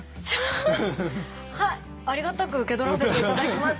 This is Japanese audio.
はいありがたく受け取らせて頂きます！